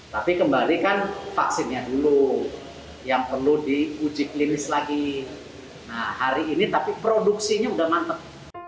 tapi kembali kan vaksinnya dulu yang perlu diuji klinis lagi nah hari ini tapi produksinya udah mantep